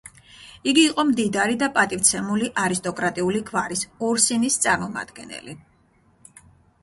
იგი იყო მდიდარი და პატივცემული არისტოკრატიული გვარის: ორსინის წარმომადგენელი.